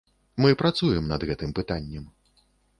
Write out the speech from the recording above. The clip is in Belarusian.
Мы працуем над гэтым пытаннем.